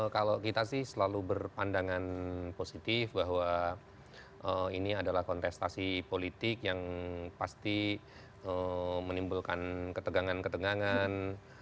kalau kita sih selalu berpandangan positif bahwa ini adalah kontestasi politik yang pasti menimbulkan ketegangan ketegangan